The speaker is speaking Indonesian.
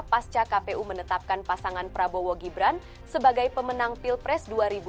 pasca kpu menetapkan pasangan prabowo gibran sebagai pemenang pilpres dua ribu dua puluh